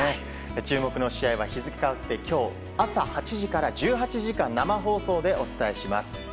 注目の試合は日付が変わって朝８時から１８時間生放送でお伝えします。